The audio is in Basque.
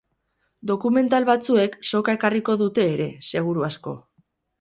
Dokumental batzuek soka ekarriko dute ere, seguru asko.